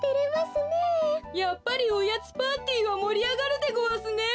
やっぱりおやつパーティーはもりあがるでごわすね！